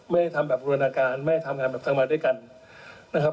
ไม่ทำแบบรุนาการไม่ทำงานแบบทำมากด้วยกันนะครับ